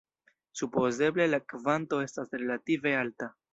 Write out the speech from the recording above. Supozeble la kvanto estas relative alta.